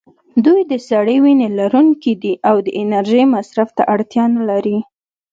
دوی د سړې وینې لرونکي دي او د انرژۍ مصرف ته اړتیا نه لري.